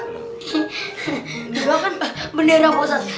dia kan bendera boset